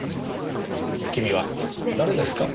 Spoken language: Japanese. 君は誰ですか？